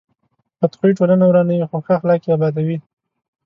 بد خوی ټولنه ورانوي، خو ښه اخلاق یې ابادوي.